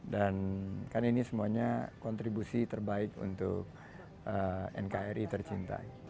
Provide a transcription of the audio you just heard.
dan kan ini semuanya kontribusi terbaik untuk nkri tercintai